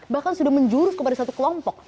bahkan sudah menjurus kepada satu kelompok